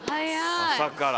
朝から。